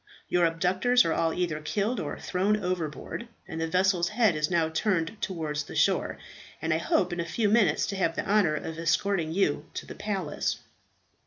Your abductors are all either killed or thrown overboard, and the vessel's head is now turned towards the shore, and I hope in a few minutes to have the honour of escorting you to the palace."